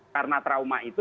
karena trauma itu